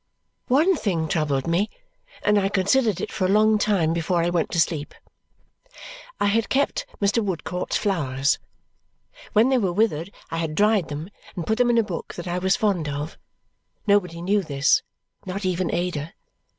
One thing troubled me, and I considered it for a long time before I went to sleep. I had kept Mr. Woodcourt's flowers. When they were withered I had dried them and put them in a book that I was fond of. Nobody knew this, not even Ada.